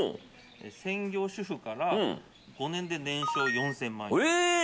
専業主婦から５年で年商４０００万円。